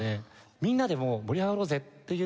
みんなでもう盛り上がろうぜっていうので。